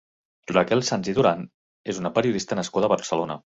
Raquel Sans i Duran és una periodista nascuda a Barcelona.